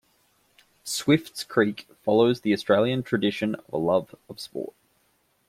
Swifts Creek follows the Australian tradition of a love of sport.